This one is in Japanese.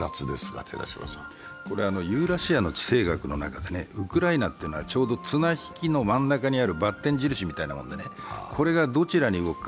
ユーラシアの地政学の中でウクライナというのは、ちょうど綱引きの真ん中にある×印みたいなもので、これがどちらに動くか。